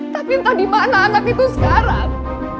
tapi entah di mana anak itu sekarang